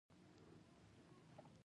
محمد ص د اخلاقو نمونه او مثال دی.